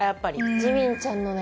ジミンちゃんのね